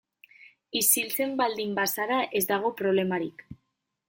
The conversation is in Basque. Isiltzen baldin bazara ez dago problemarik.